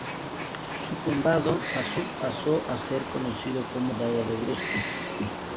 Su condado pasó a ser conocido como el Condado de Brunswick.